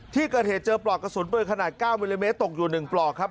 ที่กระเทศเจอปลอกกระสุนโดยขนาด๙มิลลิเมตรตกอยู่หนึ่งปลอกครับ